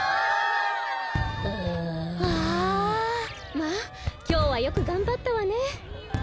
まっきょうはよくがんばったわね。わ！